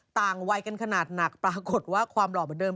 ต่างวัยกันขนาดหนักปรากฏว่าความหล่อเหมือนเดิ